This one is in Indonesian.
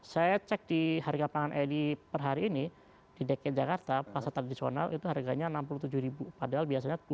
saya cek di harga perangan edi per hari ini di dekade jakarta pasar tradisional itu harganya rp enam puluh tujuh padahal biasanya rp dua puluh lima rp tiga puluh